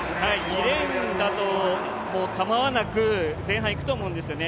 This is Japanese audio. ２レーンだともう構わなく前半いくと思うんですよね。